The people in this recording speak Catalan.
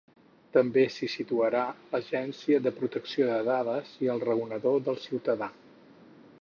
També s'hi situarà l'Agència de Protecció de Dades i el Raonador del Ciutadà.